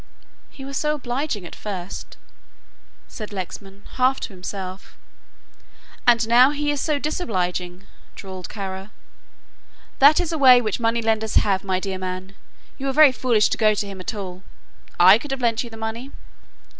"He was so obliging at first," said Lexman, half to himself. "And now he is so disobliging," drawled Kara. "That is a way which moneylenders have, my dear man; you were very foolish to go to him at all. I could have lent you the money."